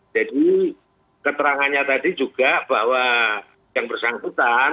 jadi keterangannya tadi juga bahwa yang bersangkutan